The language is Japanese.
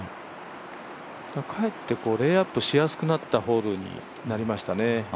かえってレイアップしやすくなったホールになりましたね。